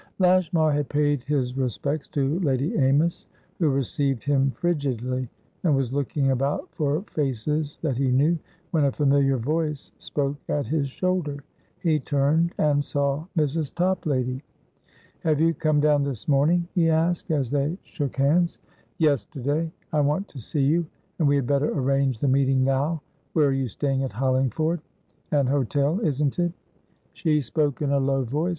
Lashmar had paid his respects to Lady Amys, who received him frigidly, and was looking about for faces that he knew, when a familiar voice spoke at his shoulder; he turned, and saw Mrs. Toplady. "Have you come down this morning?" he asked, as they shook hands. "Yesterday. I want to see you, and we had better arrange the meeting now. Where are you staying in Hollingford? An hotel, isn't it?" She spoke in a low voice.